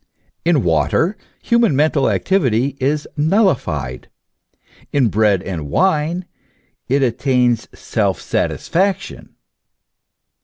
In water, human, mental activity is nulli fied ; in bread and wine it attains self satisfaction.